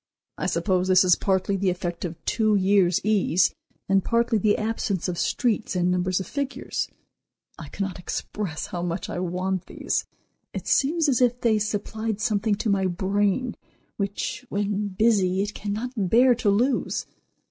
I suppose this is partly the effect of two years' ease, and partly the absence of streets, and numbers of figures. I cannot express how much I want these. It seems as if they supplied something to my brain which, when busy, it cannot bear to lose.